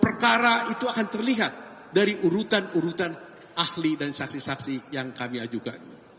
perkara itu akan terlihat dari urutan urutan ahli dan saksi saksi yang kami ajukan